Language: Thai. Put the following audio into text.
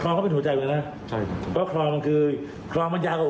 เพราะคอมันคือคอมันยากกว่าอุโมงละมายน้ำเยอะนะ